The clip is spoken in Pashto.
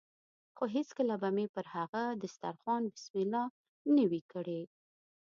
خو هېڅکله به مې هم پر هغه دسترخوان بسم الله نه وي کړې.